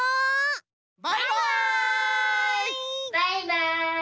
バイバイ！